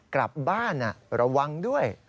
กลับบ้านระวังด้วย